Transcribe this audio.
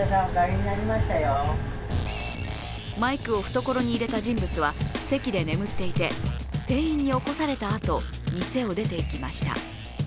マイクを懐に入れた人物は席で眠っていて店員に起こされたあと店を出ていきました。